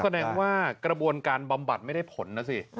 แสดงว่ากระบวนการบำบัดไม่ได้ผลนะสิ